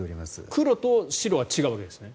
黒と白は違うわけですね。